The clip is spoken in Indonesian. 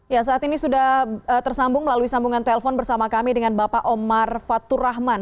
ya saat ini sudah tersambung melalui sambungan telepon bersama kami dengan bapak omar fatur rahman